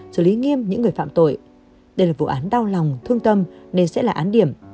xử lý nghiêm những người phạm tội đây là vụ án đau lòng thương tâm đây sẽ là án điểm